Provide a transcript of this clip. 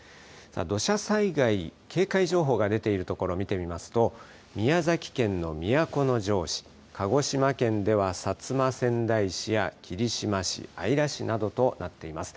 土砂災害警戒情報が出ている所を見てみますと、宮崎県の都城市、鹿児島県では薩摩川内市や霧島市、姶良市などとなっています。